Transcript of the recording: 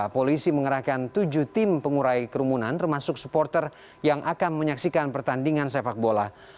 polisi mengerahkan tujuh tim pengurai kerumunan termasuk supporter yang akan menyaksikan pertandingan sepak bola